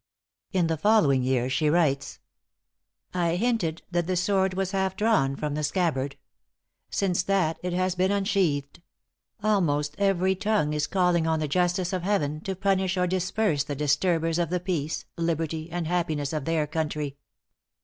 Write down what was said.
In the following year she writes: "I hinted that the sword was half drawn from the scabbard. Since that it has been unsheathed.... Almost every tongue is calling on the justice of heaven to punish or disperse the disturbers of the peace, liberty, and happiness of their country."